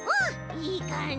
いいかんじ。